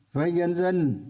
với nhân dân